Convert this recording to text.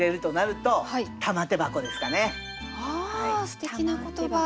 すてきな言葉。